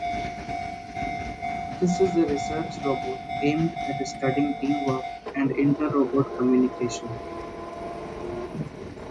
This is a research robot, aimed at studying teamwork and inter-robot communication.